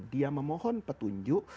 dia memohon petunjuk